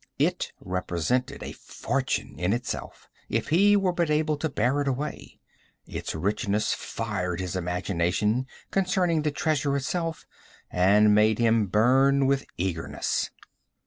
It represented a fortune in itself, if he were but able to bear it away. Its richness fired his imagination concerning the treasure itself, and made him burn with eagerness.